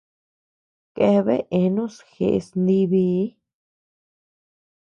Keabea eanus jeʼes nibii.